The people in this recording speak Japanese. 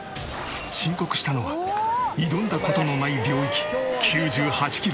申告したのは挑んだ事のない領域９８キロ。